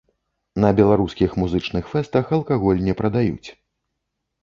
На беларускіх музычных фэстах алкаголь не прадаюць.